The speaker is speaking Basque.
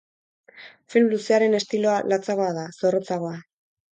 Film luzearen estiloa latzagoa da, zorrotzagoa.